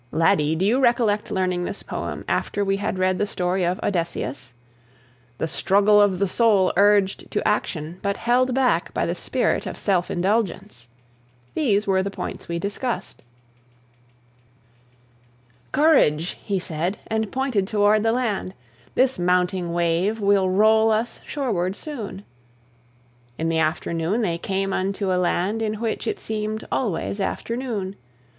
Laddie, do you recollect learning this poem after we had read the story of "Odysseus"? "The struggle of the soul urged to action, but held back by the spirit of self indulgence." These were the points we discussed. Alfred Tennyson (1809 92). "Courage!" he said, and pointed toward the land, "This mounting wave will roll us shoreward soon." In the afternoon they came unto a land In which it seemed always afternoon.